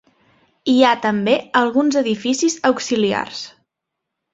Hi ha també alguns edificis auxiliars.